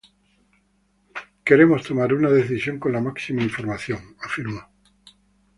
Queremos tomar una decisión con la máxima información", afirmó.